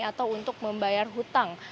atau untuk membayar hutang